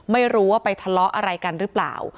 ไม่รู้ว่าไปทะเลาะอะไรกันหรือเปล่า